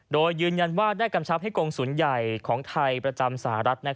โดยยืนยันว่าได้กำชับให้กรงศูนย์ใหญ่ของไทยประจำสหรัฐ